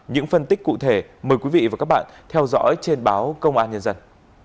những phân tích cụ thể mời quý vị và các bạn theo dõi trên báo công an nhân dân